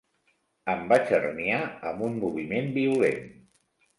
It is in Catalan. Em vaig herniar amb un moviment violent.